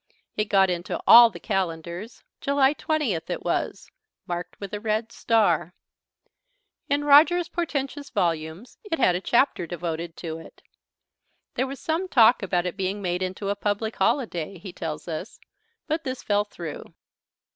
It got into all the Calendars July 20th it was marked with a red star; in Roger's portentous volumes it had a chapter devoted to it. There was some talk about it being made into a public holiday, he tells us, but this fell through.